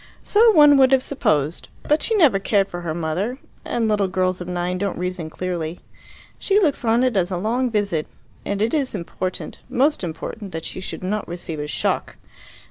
"So one would have supposed. But she never cared for her mother, and little girls of nine don't reason clearly. She looks on it as a long visit. And it is important, most important, that she should not receive a shock.